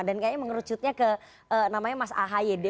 dan kayaknya mengerucutnya ke namanya mas ahaye